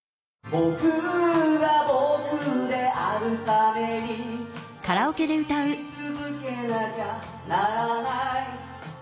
僕が僕であるために勝ち続けなきゃならない